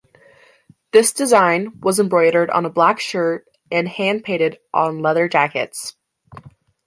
This design was embroidered on a black shirt and hand painted on leather jackets.